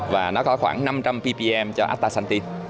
và nó có khoảng năm trăm linh ppm cho astaxanthin